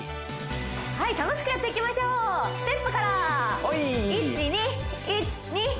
はい楽しくやっていきましょうステップから１２１２１２１２